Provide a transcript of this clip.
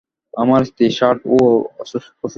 আমার স্ত্রী, শার্লট, ও অসুস্থ।